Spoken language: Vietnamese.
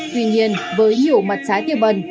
tuy nhiên với nhiều mặt trái tiềm bần